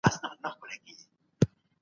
زه تل په زړورتيا رښتيا وايم.